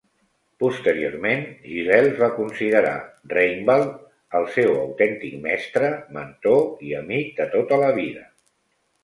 Posteriorment, Gilels va considerar Reingbald el seu autèntic mestre, mentor i amic de tota la vida.